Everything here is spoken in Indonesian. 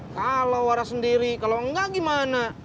kalau waras sendiri kalau enggak gimana